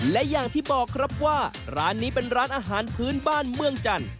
และอย่างที่บอกครับว่าร้านนี้เป็นร้านอาหารพื้นบ้านเมืองจันทร์